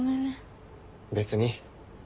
別に。